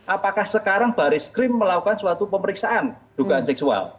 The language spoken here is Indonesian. apakah sekarang baris krim melakukan suatu pemeriksaan dugaan seksual